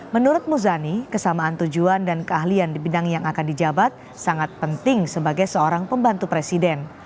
menurut muzani kesamaan tujuan dan keahlian di bidang yang akan dijabat sangat penting sebagai seorang pembantu presiden